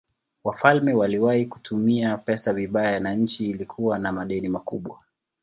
Wafalme waliwahi kutumia pesa vibaya na nchi ilikuwa na madeni makubwa.